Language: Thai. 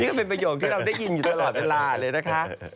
ก็เป็นประโยคที่เราได้ยินอยู่ตลอดเวลาเลยนะคะ